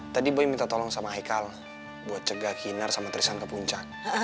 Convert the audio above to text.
tadi boy minta tolong sama haikal buat cegah kinar sama trisan ke puncak